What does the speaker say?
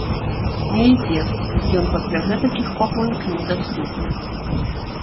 Не ідзе, ён пасля гэтакіх папоек недаступны.